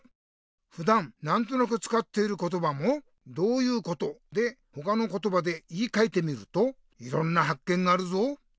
ふだんなんとなくつかっていることばも「どういうこと？」でほかのことばで言いかえてみるといろんなはっけんがあるぞ。